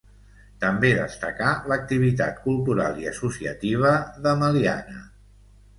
També destacar l'activitat cultural i associativa de Meliana.